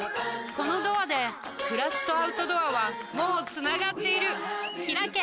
このドアで暮らしとアウトドアはもうつながっているひらけ